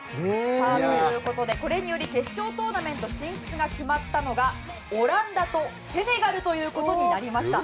これにより決勝トーナメント進出が決まったのが、オランダとセネガルとなりました。